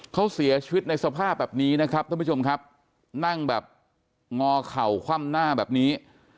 เขาเสียชีวิตในสภาพแบบนี้นะครับท่านผู้ชมครับนั่งแบบงอเข่าคว่ำหน้าแบบนี้